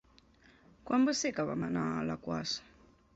Quan va ser que vam anar a Alaquàs?